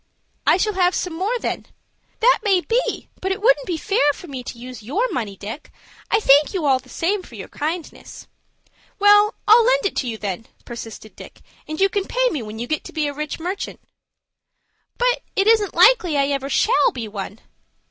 "I shall have some more then." "That may be; but it wouldn't be fair for me to use your money, Dick. I thank you all the same for your kindness." "Well, I'll lend it to you, then," persisted Dick, "and you can pay me when you get to be a rich merchant." "But it isn't likely I ever shall be one."